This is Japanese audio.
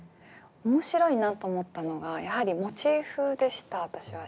面白いなと思ったのがやはりモチーフでした私は。